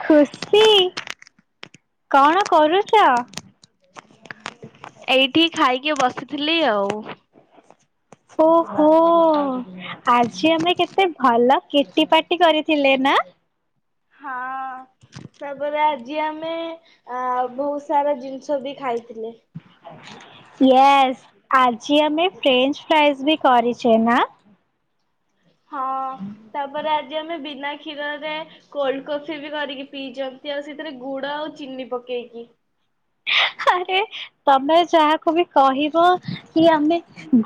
ଖୁସି କଣ କରୁଚ? ଏଇଠି ଖାଇକି ବସିଥିଲି ଆଉ। ଓ ହୋ ଆଜି ଆମେ କେତେ ଭଲ କେଟି ପାଟି କରିଥିଲେ ନା? ହଁ। ତାପରେ ଆଜି ଆମେ ଅ ବହୁତ ସାରା ଜିନିଷ ବି ଖାଇଥିଲେ। ୟେଶ ଆଜି ଆମେ ଫ୍ରେଞ୍ଚ ଫ୍ରାଇଜ ବି କରିଛେ ନା? ହଁ ତାପରେ ଆଜି ଆମେ ବିନା କ୍ଷୀରରେ କୋଲଡ କଫି ବି କରିକି ପିଇନ୍ତି ଆଉ ସେଥିରେ ଗୁଡ ଆଉ ଚିନି ପକେଇକି। ଆରେ ତମେ ଯାହାକୁ ବି କହିବ କି ଆମେ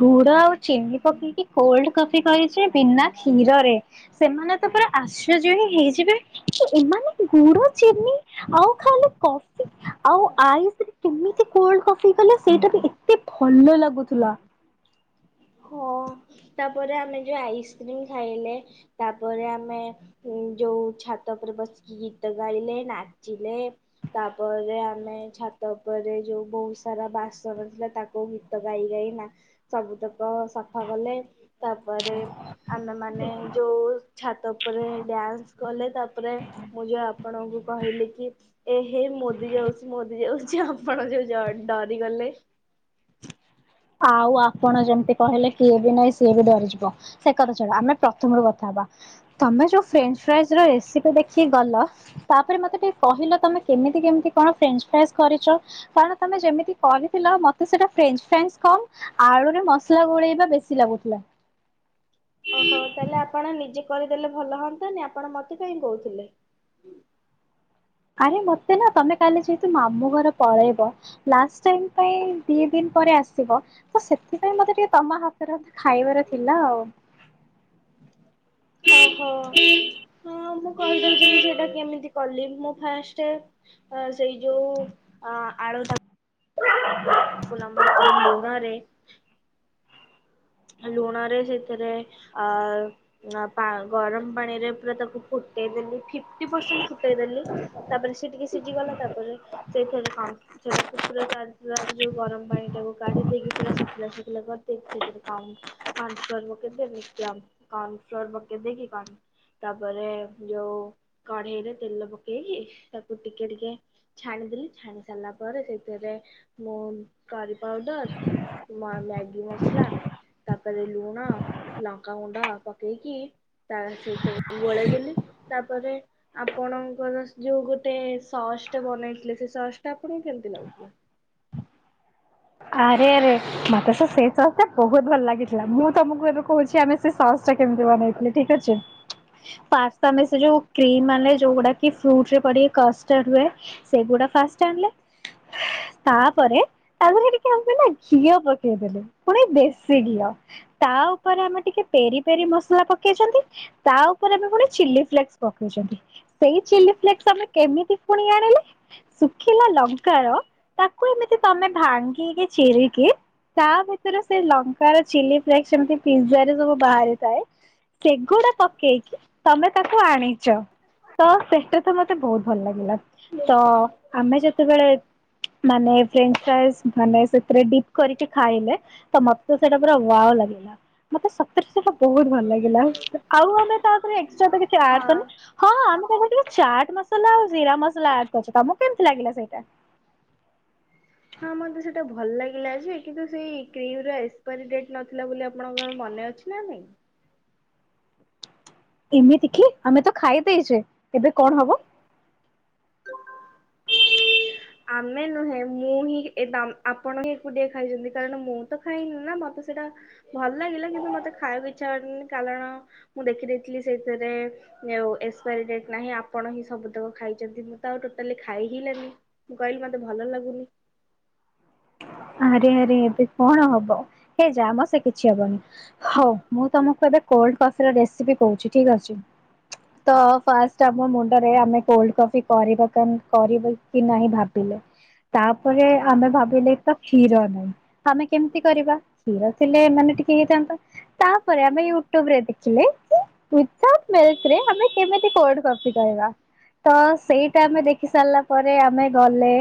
ଗୁଡ ଆଉ ଚିନି ପକେଇକି କୋଲଡ କଫି କରିଚେ ବିନା କ୍ଷୀରରେ ସେମାନେ ତ ପୁରା ଆଶ୍ଚର୍ଯ୍ୟ ହିଁ ହେଇଯିବେ। କି ଏମାନଙ୍କୁ ଗୁଡ ଚିନି ଆଉ ଖାଇଲେ କଫି ଆଉ ଆଇ ସେ କେମିତି କୋଲଡ଼ କଫି କଲେ ସେଇଟା ବି ଏତେ ଭଲ ଲାଗୁଥିଲା। ହଁ। ତାପରେ ଆମେ ଯୋଉ ଆଇସ୍କ୍ରିମ ଖାଇଲେ ତାପରେ ଆମେ ଉ ଯୋଉ ଛାତ ଉପରେ ବସିକି ଗୀତ ଗାଇଲେ ନାଚିଲେ। ତାପରେ ଆମେ ଛାତ ଉପରେ ଯୋଉ ବହୁତ ସାରା ବାସନ ଥିଲା ତାକୁ ଗୀତ ଗାଈ ଗାଈ ନା ସବୁ ତୋକ ସଫା କଲେ ତାପରେ ଆମେ ମାନେ ଯୋଉ ଛାତ ଉପରେ ଡ୍ୟାନ୍ସ କଲେ ତାପରେ ମୁଁ ଯୋଉ ଆପଣଙ୍କୁ କହିଲି କି ଏ ହେ ମୋଦି ଯାଉଛି ମୋଦି ଯାଉଛି ଆପଣ ଜ ଡରି ଗଲେ। ଆଉ ଆପଣ ଯେମିତି କହିଲେ କିଏ ବି ନାହିଁ ସିଏ ବି ଡରିଯିବ। ସେ କଥା ଛାଡ଼ ଆମେ ପ୍ରଥମ ରୁ କଥା ହବା ତମେ ଯୋଉ ଫ୍ରେଞ୍ଚ୍ ଫ୍ରାଏଜ ର ରେସିପି ଦେଖିକି ଗଲ ତାପରେ ମତେ ଟିକେ କହିଲ ତମେ କେମିତି କେମିତି କଣ ଫ୍ରେଞ୍ଚ ଫ୍ରାଇଜ କରିଛ? କାରଣ ତମେ ଯେମିତି କହିଥିଲ ମତେ ସେଟା [unintelligible] କମ ଆଳୁରେ ମସଲା ଗୋଳେଇବା ବେଶୀ ଲାଗୁଥିଲା। ଓହୋ ତାହେଲେ ଆପଣ ନିଜେ କରିଦେଲେ ଭଲ ହୁଅନ୍ତାନି ଆପଣ ମତେ କାଇହିଁ କହୁଥିଲେ? ଆରେ ମତେ ନା ତମେ କାଲି ଯେହେତୁ ମାମୁଁ ଘରେ ପଳେଇବ। ଲାଷ୍ଟ ଟାଇମ ପାଇଁ ଦି ଦିନ ପରେ ଆସିବ। ତ ସେଥିପାଇଁ ମତେ ଟିକେ ତମ ହାତରେ ର ଖାଇବାର ଥିଲା ଆଉ। ଓ ହୋ, ହଁ ମୁଁ କହିଦେଉଛି ମୁ ସେଟା କେମିତି କଲି ମୁଁ ଫାର୍ଷ୍ଟ ସେଇ ଯୋଉ ଆଳୁ [inaudible] ଲମ୍ବା ଲମ୍ବା କାଟିକି ଏ ଲୁଣରେ। ଆ ଲୁଣ ରେ ସେଥିରେ ଆ। ନା ପା ଗରମ ପାଣି ରେ ପୁରା ତାକୁ ଫୁଟେଇ ଦେଲି। ଫଫ୍ଟି ପରସେଣ୍ଟ ଫୁଟେଇ ଦେଲି ତାପରେ ସେ ଟିକେ ସିଝିଗଲା ତାପରେ ସେଇଥି କଣ। ଛୁର କାଞ୍ଚପୁର [unintelligible] ଯୋଉ ଗରମ ପାଣି ଟାକୁ କାଢି ଦେଇକି ଶୁଖିଲା ଶୁଖିଲା କରିଦେଇକି ସେଥିରେ କଁ କର୍ନଫ୍ଲୋର୍। [inaudible] କନ ଫ୍ଲୋର ପକେଇଦେଇ କି ତାପରେ ଯୋଉ କଢେଇରେ ତେଲ ପକେଇକି ତାକୁ ଟିକେ ଟିକେ। ଛାଣିଦେଲି ଛାଣି ସାରିଲା ପରେ ସେଥିରେ ମୁଁ କରି ପାଉଡର। ମା ମ୍ୟାଗି ମସଲା। ତାପରେ ଲୁଣ ଲଙ୍କାଗୁଣ୍ଡ ପକେଇକି ତା ସେଇଥି ଗୋଲେଇ ଦେଲି ତାପରେ। ଆପଣଙ୍କର ଯୋଉ ଗୋଟେ ସସ୍ ଟେ ବନେଇଥିଲେ ସେ ସସ୍ ଟା ଆପଣଙ୍କୁ କେମିତି ଲାଗୁଥିଲା। ଆରେ ଆରେ ମତେ ତ ସେ ସସ୍ ବହୁତ ଭଲ ଲାଗିଥିଲା ମୁଁ ତମକୁ ଏବେ କହୁଛି ଆମେ ସେ ସସ୍ ଟା କେମିତି ବନେଇଥିଲେ ଠିକ ଅଛି। ପାସ୍ତା ମିଶି ସେ ଯୋଉ କ୍ରିମ ଆଣେ ଯୋଉ ଗୁଡା କି ଫ୍ରୁଟ ରେ ପଡିକି କଷ୍ଟର୍ଡ ହୁଏ। ସେଗୁଡା ଫାଷ୍ଟ ଆଣିଲେ, ତାପରେ ତାଦେହ ରେ କୁ ଆମେ ନା ଘିଅ ପକେଇ ଦେଲେ ପୁଣି ଦେଶୀ ଘିଅ। ତା ଉପରେ ଆମେ ଟିକେ ପେରି ପେରି ମସଲା ପକେଇଛନ୍ତି। ତା ଉପରେ ବି ପୁଣି ଚିଲି ଫ୍ଲେକ୍ସ ପକେଇଛନ୍ତି। ସେଇ ଚିଲି ଫ୍ଲେକ୍ସ ଆମେ କେମିତି ପୁଣି ଆଣିଲେ। ଶୁଖିଲା ଲଙ୍କାର ତାକୁ ଏମିତି ତମେ ଭାଙ୍ଗିକି ଚିରିକି। ତା ଭିତରେ ସେ ଲଙ୍କାର ଚିଲି ଫ୍ଲେସ ସେମିତି ପିଜ୍ଜା ରେ ସବୁ ବାହାରିଥାଏ। ସେଗୁଡା ପକେଇକି ତମେ ତାକୁ ଆଣିଛ। ତ ସେଟା ତ ମତେ ବହୁତ ଭଲ ଲାଗିଲା ତ ଆମେ ଯେତେବେଳେ ମାନେ ଫ୍ରେଞ୍ଚ ଫ୍ରାଇଜ। ମାନେ ସେଥିରେ ଡିପ କରିକି ଖାଇଲେ ତ ମତେ ସେଟା ପୁରା ୱାଓ ଲାଗିଲା। ମତେ ସତରେ ସେଟା ବହୁତ ଭଲ ଲାଗିଲା ଆଉ ଆମେ ତାପରେ ଏକ୍ସଟ୍ରା ତ କିଛି ଆଡ୍ କରିନି। ହଁ ହଁ ଆମେ ପକେଇଥିଲୁ ଚାଟ୍ ମସଲା ଆଉ ଜିରା ମସଲା ଆଡ କରିଛୁ ତମକୁ କେମିତି ଲାଗିଲା ସେଇଟା। ହଁ ମତେ ସେଟା ଭଲ ଲାଗିଲା ଯେ କିନ୍ତୁ ସେଇ କ୍ରିମ ର ଏକ୍ସପାରୀ ଡେଟ ନଥିଲା ବୋଲି ଆପଣଙ୍କର ମନେ ଅଛି। ନାହିଁ। ଏମିତି କି ଆମେ ତ ଖାଇ ଦେଇଛେ ଏବେ କଣ ହବ। ଆମେ ନୁହେଁ ମୁଁ ହିଁ ଆପଣ ହିଁ ଏକୁଟିଆ ଖାଇଛନ୍ତି କାରଣ ମୁଁ ତ ଖାଇନି ନା ମତେ ସେଇଟା। ଭଲ ଲାଗିଲା କିନ୍ତୁ ମତେ ଖାଇବାକୁ ଇଚ୍ଛା ହେଲାନି କାରଣ। ମୁଁ ଦେଖିଦେଇଥିଲି ସେଇଥିରେ ଆଉ ଏକ୍ସପାରୀ ଡେଟ ନାହିଁ ଆପଣ ହିଁ ସବୁତକ ଖାଇ ଛନ୍ତି ମୁଁ ତ ଆଉ ଟୋଟାଲି ଖାଇ ହିଁ ଲିନି ମୁଁ କହିଲି ମତେ ଭଲ ଲାଗୁନି। ଆରେ ଆରେ ଏବେ କଣ ହବ ହେ ଯା ମ ସେ କିଛି ହବନି। ହଉ ମୁଁ ତମକୁ ଏବେ କୋଲଡ କଫି ର ରେସିପି କହୁଛି ଠିକ ଅଛି, ତ। ଫାଷ୍ଟ ଆମ ମୁଣ୍ଡରେ ଆମେ କୋଲଡ କଫି କରିବା କର କରିବୁ କି ନାହିଁ ଭାବିଲେ। ତାପରେ ଆମେ ଭାବିଲେ ତ କ୍ଷୀର ନାହିଁ ଆମେ କେମିତି କରିବା କ୍ଷୀର ଥିଲେ ମାନେ ଟିକେ ହେଇଥାନ୍ତା ତାପରେ ଆମେ ୟୁଟ୍ୟୁବ ରେ ଦେଖିଲେ [unintelligible] ମେସେ ରେ ଆମେ କେମିତି କଣ କପି କହିବା ତ ସେଇଟା ଆମେ ଦେଖି ସାରିଲା ପରେ ଆମେ ଗଲେ।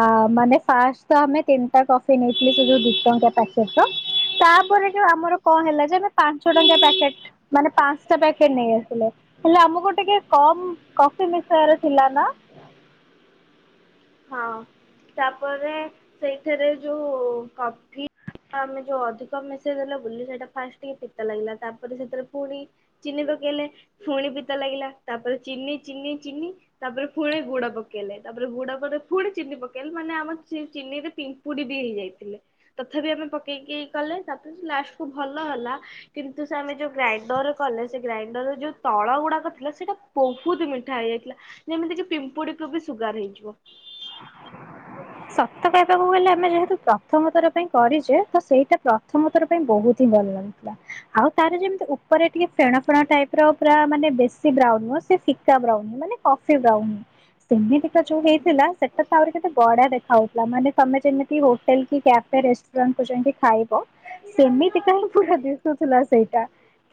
ଆ ମାନେ ଫାଷ୍ଟ ତ ଆମେ ତିନିଟା କଫି ନେଇଥିଲେ ସେ ଯଉ ଦିଟଙ୍କା ପ୍ୟାକେଟ ତ? ତାପରେ ଯଉ ଆମର କଣ ହେଲା ଯେ ଆମେ ପାଞ୍ଚ ଟଙ୍କିଆ ପ୍ୟାକେଟ ମାନେ ପାଞ୍ଚଟା ପ୍ୟାକେଟ ନେଇ ଆସିଲେ। ହେଲେ ଆମକୁ ଟିକେ କମ୍ କଫି ମିଷୟାର ଥିଲା ନା। ହଁ ତାପରେ ସେଇଥେରେ ଯୋଉ କଫି ଆମେ ଯୋଉ ଅଧିକ ମିଶେଇ ଦେଲେ ବୁଲି ସେଇଟା ଫାଷ୍ଟ ଟିକେ ପିତା ଲାଗିଲା ତାପରେ ସେଥିରେ ଫୁଣି ଚିନି ପକେଇଲେ ଫୁଣି ପିତା ଲାଗିଲା ତାପରେ ଚିନି ଚିନି ଚିନି ତାପରେ ଫୁଣି ଗୁଡ ପକେଇଲେ ତାପରେ ଗୁଡ ତାପରେ ପୁଣି ଚିନି ପକେଇଲେ ମାନେ ଆମ ଚିନିରେ ପିମ୍ପୁଡି ବି ହେଇଯାଇଥିଲେ। ତଥାପି ଆମେ ପକେଇକି କଲେ ତାପରେ ଲାଷ୍ଟକୁୁ ଭଲ ହେଲା କିନ୍ତୁ ସେ ଆମେ ଯୋଉ ଗ୍ରାଇଣ୍ଡର କଲେ ସେ ଗ୍ରାଇଣ୍ଡରରେ ଯୋଉ ତଳ ଗୁଡାକ ଥିଲା ସେଇଟା ବହୁତ ମିଠା ହେଇଯାଇଥିଲା। ଯେମିତି କି ପିମ୍ପୁଡିକୁ ବି ସୁଗାର ହେଇଯିବ। ସତ କହିବାକୁ ଗଲେ ଆମେ ଯେହେତୁ ପ୍ରଥମଥର ପାଇଁ କରିଛେ ତ ସେଇଟା ପ୍ରଥମଥର ପାଇଁ ବହୁତ ହିଁ ଭଲ ଲାଗେ। ଆଉ ତାର ଯେମିତି ଉପରେ ଟିକେ ଫେଣ ଫେଣ ଟାଇପର ପୁରା ମାନେ ବେଶୀ ବ୍ରାଉନସ ସେ ଫିକା ବ୍ରାଉନ ମାନେ କଫି ବ୍ରାଉନ ସେମିତିକା ଯୋଉ ହେଇଥିଲା ସେଟା ତ ଆହୁରି କେତେ ବଢିଆ ଦେଖ ହଉଥିଲା ମାନେ ପା ତମେ ଯେମତି ହୋଟେଲ କି କାଫେ ରେସ୍ଟୁରାଣ୍ଟ କୁଯାଇକି ଖାଇବ ସେମିତି କାହିଁ ପୁର ଥିଲା ସେଇଟା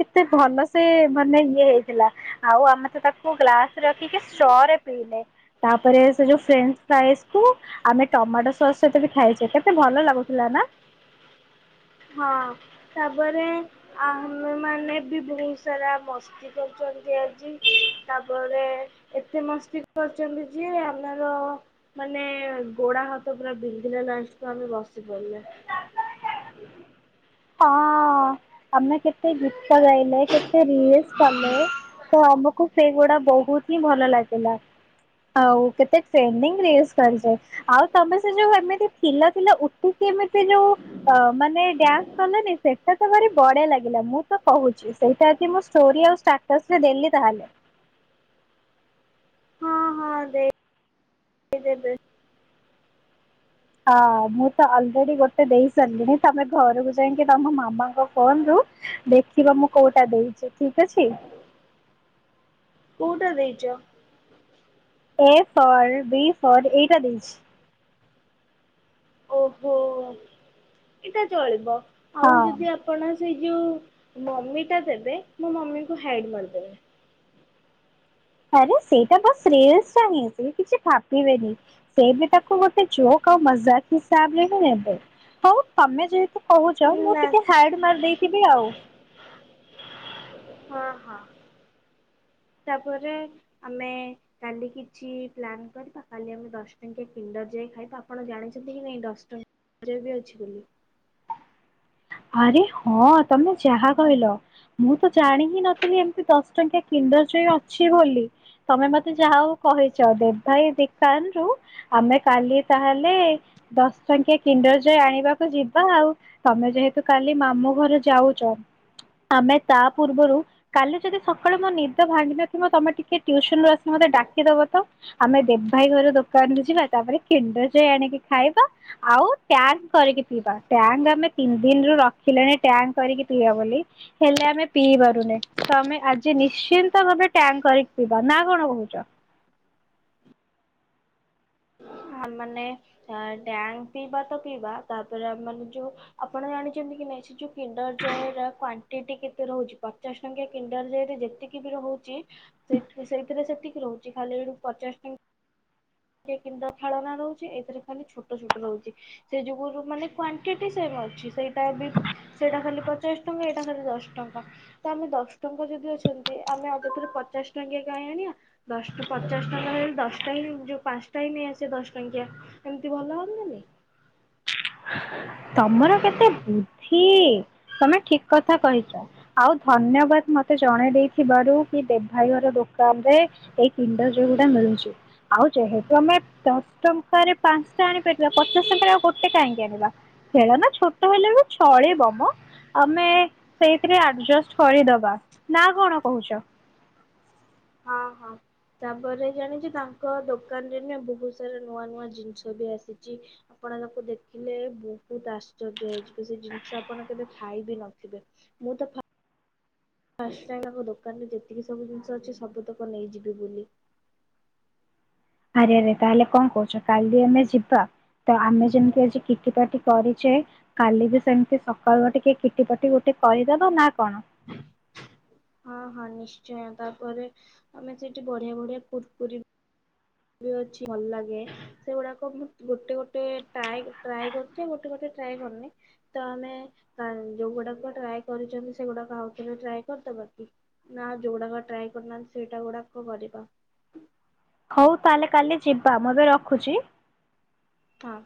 କେତେ ଭଲ ସେ ମାନେ ଇଏ ଥିଲା ଆଉ ଆମେ ତ ତାକୁ ଗ୍ଲାସରେ ରଖିକି ଷ୍ଟରେ ପିଇଲେ। ତାପରେ ସେ ଯୋଉ ଫ୍ରେନ୍ସ ସ୍ଲାଏସ କୁ ଆମେ ଟମାଟୋ ସସ୍ ସହିତ ବି ଖାଇଛେ କେତେ ଭଲ ଲାଗୁଥିଲା ନା? ହଁ ତାପରେ ଆମେ ମାନେ ବି ବହୁତ ସାରା ମସ୍ତି କରଛନ୍ତି ଆଜି ତାପରେ ଏତେ ମସ୍ତି କରିଛନ୍ତି ଯେ ଆମର ମାନେ ଗୋଡ ହାତ ପୁରା ବିନ୍ଧିଲା ଲାଷ୍ଟକୁ ଆମେ ବସି ପଡିଲେ। ହଁ। ଆମେ କେତେ ଗୀତ ଗାଇଲେ କେତେ ରିଲସ କଲେ ତ ଆମକୁ ସେଇଗୁଡା ବହୁତ ହିଁ ଭଲ ଲାଗିଲା ଆଉ କେତେ ସେଣ୍ଡିଙ୍ଗ ରେସ କରିଚେ। ଆଉ ତମେ ସେ ଯୋଉ ଏମତି ଥିଲ ଥିଲ ଉଠିକି ଏମିତି ଯୋଉ ଅ ମାନେ ଡ୍ୟାନ୍ସ କଲନି ସେଟା ତ ଭାରି ବଢିଆ ଲାଗିଲା ମୁଁ ତ କହୁଛି ସେଇଟାଜଦି ମୁଁ ଷ୍ଟୋରି ଆଉ ଷ୍ଟାର୍ଟସ ରେ ଦେଲି ତାହେଲେ। ଏଇ [inaudible] ହଁ ମୁଁ ତ ଅଲରେଡି ଗୋଟେ ଦେଇ ସାରିଲିଣି ତମେ ଘରକୁ ଯାଇକି ତମ ମାମାଙ୍କ ଫୋନ ରୁ ଦେଖିବ ମୁଁ କଉଟା ଦେଇଛି ଠିକ ଅଛି। କଉଟା ଦେଇଚ? ଏ ଫର୍ ବି ଫର ଏଇଟା ଦେଇଛି। ଓହୋ ଏଇଟା ଚଳିବ ଆଉ ହଁ ଯଦି ଆପ ଆପଣ ସେଇ ଯଉ ମମିଟା ଦେବେ ମୋ ମମିକୁ ହାଇଡ଼୍ ମାରଦେବେ। ଆରେ ସେଇଟା ବା [inaudible] ସେ କିଛି ଭାବିବେନି। ସେ ବି ତାକୁ ଗୋଟେ ଯୋକ ଆଉ ମଜାକ ହିସାବରେ ହିଁ ନେବ ହଉ ତମେ ଯେହେ ତ କହୁଛ ମୁଁ ଟିକେ ହାଇଡି ମାର୍ ଦେଇଥିବି ଆଉ। ହଁ ହଁ। ତାପରେ ଆମେ କାଲି କିଛି ପ୍ଲାନ୍ କରିବା କାଲି ଆମେ ଦଶ ଟଙ୍କିଆ କିଣ୍ଡର ଯୟ ଖାଇବା ଆପଣ ଜାଣିଛନ୍ତି କି ନାଇଁ ଦଶ ଟଙ୍କି ବି ଅଛି ବୋଲି। ଆରେ ହଁ ତମେ ଯାହା କହିଲ। ମୁଁ ତ ଜାଣି ହିଁ ନଥିଲି ଏମିତି ଦଶ ଟଙ୍କିଆ କିଣ୍ଡର ଜଏ ଅଛି ବୋଲି। ତମେ ମତେ ଯାହା ହଉ କହିଛ ଦେବ ଭାଇ ଦକାନରୁ ଆମେ କାଲି ତାହେଲେ ଦଶ ଟଙ୍କିଆ କିଣ୍ଡର ଜଏ ଆଣିବାକୁ ଯିବା ଆଉ। ତମେ ଯେହେତୁ ତ କାଲି ମାମୁ ଘରେ ଯାଉଛ ଆମେ ତା ପୂର୍ବରୁ କାଲି ଯଦି ସକାଳୁ ମୋ ନିଦ ଭାଙ୍ଗିନଥିବ ତମେ ଟିକେ ଟ୍ୟୁସନରୁ ଆସି ମତେ ଡାକି ଦେବ ତ। ଆମେ ଦେବ ଭାଇ ଘର ଦୋକାନରୁୁ ଯିବା ତାପରେ କିଣ୍ଡର ଜଏ ଆଣିକି ଖାଇବା। ଆଉ ଟ୍ୟାଙ୍କ କରିକି ପିଇବା ଟ୍ୟାଙ୍କ ଆମେ ପିନ୍ଧି ଦିନ ରୁ ରଖିଲେଣି ଟ୍ୟାଙ୍କ କରିକି ପିଇବା ବୋଲି। ହେଲେ ଆମେ ପିଇ ପାରୁନେ ତମେ ଆଜି ନିଶ୍ଚିନ୍ତ ଭାବରେ ଟ୍ୟାଙ୍କ କରିକି ପିଇବା ନା କଣ କହୁଛ। ଆ ମାନେ ଟ୍ୟାଙ୍କ ପିଇବା ତ ପିଇବା ତାପରେ ମାନେ ଯୋଉ ଆପଣ ଜାଣିଛନ୍ତି କି ନାଇଁ ସେ ଯୋଉ କିଣ୍ଡର ଜୟ ର କ୍ଵାଣ୍ଟିଟି କେତେ ରହୁଛି ପଚାଶ ଟଙ୍କିଆ କିଣ୍ଡର ଜରେ ଯେତିକି ବି ରହୁଛି। ସେ ସେଇଥିରେ ସେତିକି ରହୁଛି ଖାଲି ଯଠୁ ପଚାଶ ଟଙ୍କା ଟିକେ କି ଖେଳନା ରହୁଛି ଏଥିରେ ଖାଲି ଛୋଟ ଛୋଟ ରହୁଛି। ସେ ଯଗୁରୁ ମାନେ କ୍ଵାଣ୍ଟିଟି ସେମ ଅଛି ସେଇଟା ବି ସେଇଟା ଖାଲି ପଚାଶ ଟଙ୍କା ଏଇଟା ଖାଲି ଦଶ ଟଙ୍କା। ତ ଆମେ ଦଶ ଟଙ୍କା ଯଦି ଅଛନ୍ତି ଆମେ ଆଉ ଥରେ ପଚାଶ ଟଙ୍କିଆ କାଇଁ ଆଣିବା। ଦଶଟା ପଚାଶ ଟଙ୍କା ହେଲେ ଦଶଟା ହିଁ ଯୋ [inaudible] ଦଶ ଟଙ୍କିଆ ଏମିତି ହେଲେ ଭଲ ହନ୍ତାନି। ତମର କେତେ ବୁଦ୍ଧି ତମେ ଠିକ କଥା କହିଛ। ଆଉ ଧନ୍ୟବାଦ ମତେ ଜଣେଇ ଦେଇଥିବାରୁ କି ଦେବ ଭାଇ ଘର ଦୋକା ତମ୍ଭେ ଏ କିଣ୍ଡର୍ ଜଏ ଗୁଟା ମିଳୁଛି। ଆଉ ଯେହେତୁ ଆମେ ଦଶ ଟଙ୍କାରେ ପାଞ୍ଚଟା ଆଣିପାରିବା ପଚାଶ ଟଙ୍କାରେ ଆଉ ଗୋଟେ କାହିଁକି? ଣ ଖେଳନା ଛୋଟ ହେଲେ ବି ଚଳିବ ମ। ଆମେ ସେଇଥିରେ ଆଡଜଷ୍ଟ କରିଦବା ନା କଣ କହୁଛ। ହଁ ହଁ ତାପରେ ଜାଣିଛ ତାଙ୍କ ଦୋକାନରେ ବି ବହୁତ ସାରା ନୂଆ ନୂଆ ଜିନିଷ ବି ଆସିଛି। ଆପଣ ତାକୁ ଦେଖିଲେ ବହୁତ ଆଶ୍ଚର୍ଯ୍ୟ ହେଇଯିବ ସେ ଜିନିଷ ଆପଣ କେବେ ଖାଇ ବି ନଥିବେ। ମୁଁ ତ ଫା ଷ୍ଟ ଟାଇମ୍ ଆମ ଦୋକାନରେ ଯେତିକି ସବୁ ଜିନିଷ ଅଛି ସବୁ ତକ ନେଇଯିବି ବୋଲି। ଆରେ ଆରେ ତାହେଲେ କଣ କହୁଛ କାଲି ଆମେ ଯିବା? ତ ଆମେ ଯେମିତି ଆଜି କିକି ପାଟି କରିଛେ। କାଲି ବି ସେମିତି ସକାଳୁ ଟିକେ କିଟି ପଟି ଗୋଟେ କରିଦବ ନା କଣ। ହ [unintelligible] ହଁ ହଁ ନିଶ୍ଚୟ ତାପରେ ଆମେ ସେଇଠି ବଢିଆ ବଢିଆ କୁରକୁରୀ ଅଛି ଭଲ ଲାଗେ ସେଗୁଡାକ ମୁଁ ଗୋଟେ ଗୋଟେ ଟ୍ରାଏ ଟ୍ରାଏ କ ଗୋଟେ ଗୋଟେ ଟ୍ରାଏ କରିନି। ତ ଆମେ ଯୋଉଗୁଡାକ ଟ୍ରାଏ କରିଛନ୍ତି ସେଗୁଡାକ ଆଉଥରେ ଟ୍ରାଏ କରିଦବା କି? ନା ଯେଉଗୁଡ଼ାକ ଟ୍ରାଏ କରନାହାନ୍ତି ସେଇଟା ଗୁଡ଼ାକ କରିବା। ହଉ ତାହେଲେ କାଲି ଯିବା ମୁଁ ଏବେ ରଖୁଛି। ହଁ